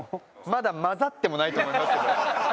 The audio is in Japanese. まだ混ざってもないと思いますけど。